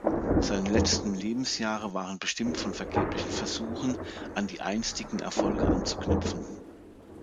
Seine letzten Lebensjahre waren bestimmt von vergeblichen Versuchen, an die einstigen Erfolge anzuknüpfen.